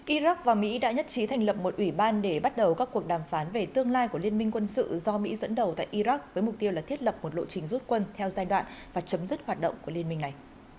iraq và mỹ đã nhất trí thành lập một ủy ban để bắt đầu các cuộc đàm phán về tương lai của liên minh quân sự do mỹ dẫn đầu tại iraq với mục tiêu là thiết lập một lộ trình rút quân theo giai đoạn và chấm dứt hoạt động của liên minh này